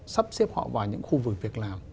sắp xếp họ vào những khu vực việc làm